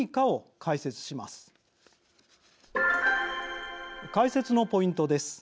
解説のポイントです。